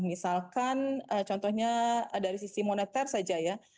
misalkan contohnya dari sisi moneter saja ya